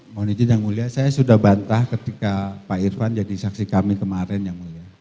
mohon izin yang mulia saya sudah bantah ketika pak irvan jadi saksi kami kemarin yang mulia